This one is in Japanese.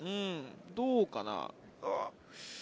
どうかな？